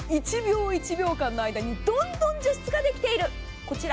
１秒１秒間の間にどんどん除湿ができている。